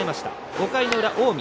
５回の裏、近江。